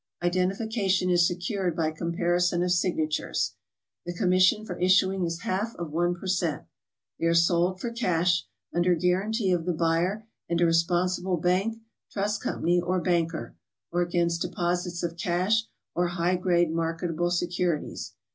Iden tification is secured by comparison of signatures. The com mission for issuing is half of one per cent. They are sold for cash; under guaranty of the buyer and a responsible bank, trust company, or banker; or against deposits of cash or high grade marketable securities.